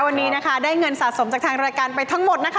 วันนี้นะคะได้เงินสะสมจากทางรายการไปทั้งหมดนะคะ